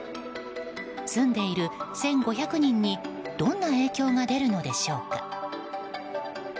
住んでいる１５００人にどんな影響が出るのでしょうか。